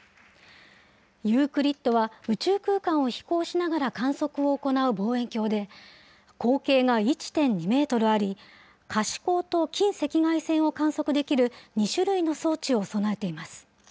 ユークリッドは宇宙空間を飛行しながら観測を行う望遠鏡で、口径が１．２メートルあり、可視光と近赤外線を観測できる２種類の装置を備えています。